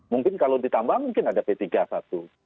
mungkin kalau ditambah mungkin ada p tiga satu